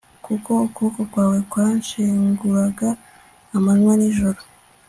kuko ukuboko kwawe kwanshenguraga amanywa n'ijoro